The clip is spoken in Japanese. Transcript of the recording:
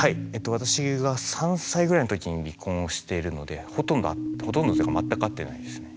私が３歳ぐらいの時に離婚をしてるのでほとんどというか全く会ってないですね。